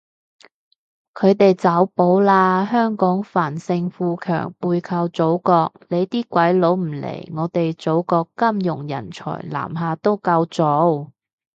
佢哋走寶喇，香港繁盛富強背靠祖國，你啲鬼佬唔嚟，我哋祖國金融人才南下都夠做